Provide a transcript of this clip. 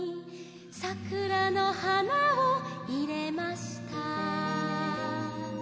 「桜の花を入れました」